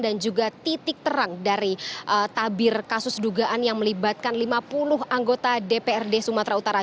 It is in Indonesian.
dan juga titik terang dari tabir kasus dugaan yang melibatkan lima puluh anggota dprd sumatera utara